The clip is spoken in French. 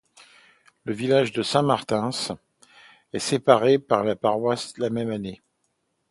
Le village de Saint-Martins est séparé de la paroisse la même année.